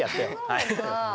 はい。